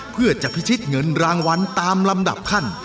เพื่อจะพิชิตเงินรางวัลตามลำดับขั้น